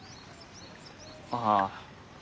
ああ。